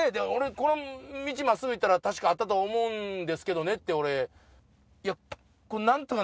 この道真っすぐ行ったら確かあったと思うんですけどねって。